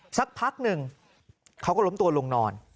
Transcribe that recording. สักพักหนึ่งเขาก็ล้มตัวลงนอน